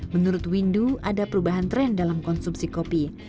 menurut windu ada perubahan tren dalam konsumsi kopi